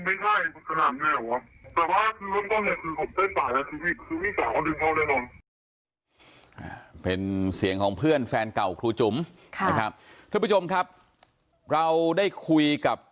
เป็นเสียงของเพื่อนแฟนเก่าครูจุ๋มนะครับท่านผู้ชมครับเราได้คุยกับ